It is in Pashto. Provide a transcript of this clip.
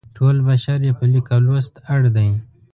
ټول بشر یې په لیک او لوست اړ دی.